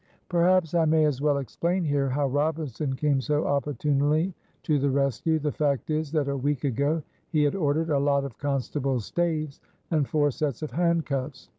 Perhaps I may as well explain here how Robinson came so opportunely to the rescue. The fact is, that a week ago he had ordered a lot of constables' staves and four sets of handcuffs.